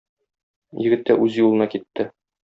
Егет тә үз юлына китте.